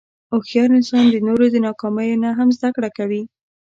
هوښیار انسان د نورو د ناکامیو نه هم زدهکړه کوي.